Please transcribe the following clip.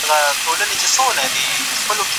که ښه خلک نصيحت وکړي، غوږ ورته ونیسئ.